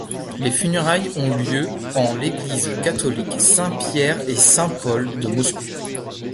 Les funérailles ont lieu en l'église catholique Saint-Pierre-et-Saint-Paul de Moscou.